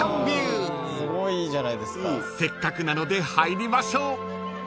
［せっかくなので入りましょう］